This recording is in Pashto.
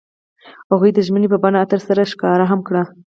هغوی د ژمنې په بڼه عطر سره ښکاره هم کړه.